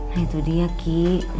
nah itu dia ki